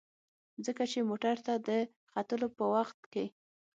ځکه چې موټر ته د ختلو په وخت کې.